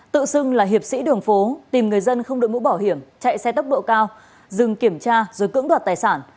tự xưng là hiệp sĩ đường phố tìm người dân không đội mũ bảo hiểm chạy xe tốc độ cao dừng kiểm tra rồi cưỡng đoạt tài sản